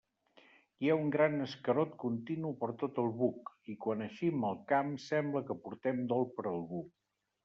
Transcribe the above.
Hi ha un gran escarot continu per tot el buc i quan eixim al camp sembla que portem dol per algú.